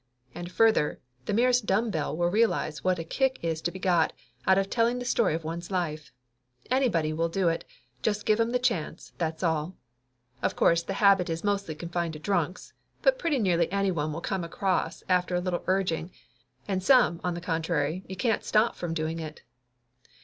And further, the merest dumb bell will realize what a kick is to be got out of telling the story of one's life. Anybody will do it just give 'em the chance, that's all ! Of course the habit is mostly confined to drunks, but pretty nearly anyone will come across after a little urging, and some, on the contrary, you can't stop from doing it.